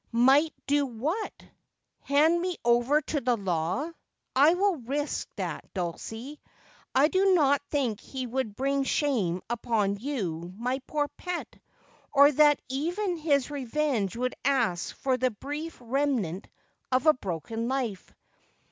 •Might do what'?' Hand me over to the law ! I will risk that, Dulcie. I do not think he would bring shame upon you, my poor pet ; or that even his revenge would ask for the brief remnant of a broken life.